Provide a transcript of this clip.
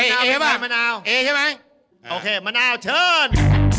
โอเคใช่ไหมโอเคมะนาวเชิญ